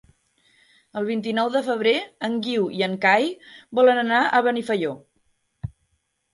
El vint-i-nou de febrer en Guiu i en Cai volen anar a Benifaió.